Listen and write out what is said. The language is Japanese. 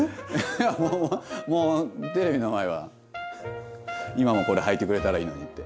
いやもうテレビの前は今もこれはいてくれたらいいのにって。